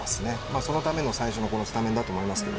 そのための最初のスタメンだと思いますけど。